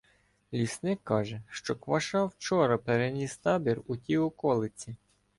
Лісник каже, що Кваша вчора переніс табір у ті околиці.